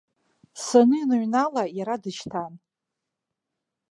Саныныҩнала иара дышьҭан.